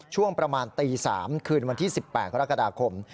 ช่วงประมาณตี๓คืนวันที่๑๘กรกฎาคม